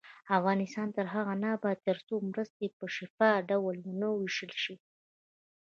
افغانستان تر هغو نه ابادیږي، ترڅو مرستې په شفاف ډول ونه ویشل شي.